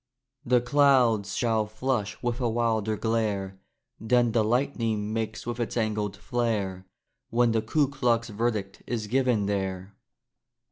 The clouds shall flush with a wilder glare Than the lightning makes with its angled flare, When the Ku Klux verdict is given there.